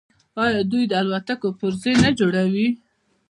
آیا دوی د الوتکو پرزې نه جوړوي؟